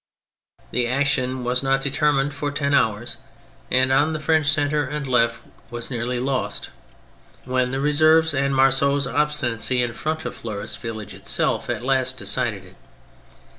The action was not determined for ten hours, and on the French centre and left was nearly lost, when the Reserves* and Marceau's obstinacy in front of Fleurus village itself at last decided it.